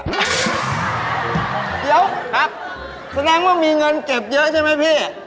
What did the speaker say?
เดี๋ยวครับแสดงว่ามีเงินเก็บเยอะใช่ไหมพี่